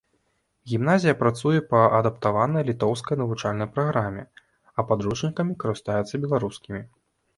Гімназія працуе па адаптаванай літоўскай навучальнай праграме, а падручнікамі карыстаюцца беларускімі.